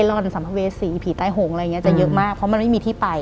หลังจากนั้นเราไม่ได้คุยกันนะคะเดินเข้าบ้านอืม